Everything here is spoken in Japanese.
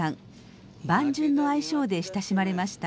伴淳の愛称で親しまれました。